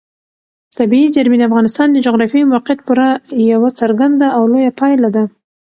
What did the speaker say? طبیعي زیرمې د افغانستان د جغرافیایي موقیعت پوره یوه څرګنده او لویه پایله ده.